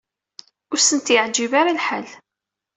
Ur sent-yeɛǧib ara lḥal.